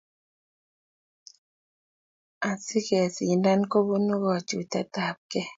Asike sindan kobunu kachutet ab ke